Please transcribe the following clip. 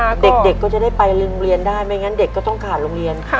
เด็กก็จะได้ไปโรงเรียนได้ไม่งั้นเด็กก็ต้องขาดโรงเรียนค่ะ